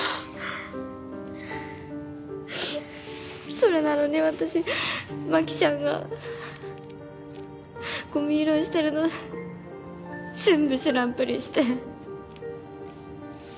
それなのに私真紀ちゃんがゴミ拾いしてるの全部知らんぷりして。